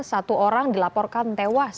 satu orang dilaporkan tewas